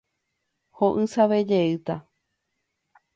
Ho'ysãvejeýta.